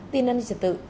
tin an ninh trật tự